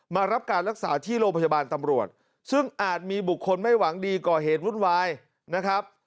มารับการรักษาที่โรงพยาบาลตำรวจซึ่งอาจมีบุคคลไม่หวังดีก่อเหตุวุ่นวายนะครับ